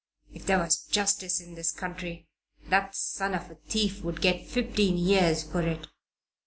"If there was justice in this country that son of a thief would get fifteen years for it.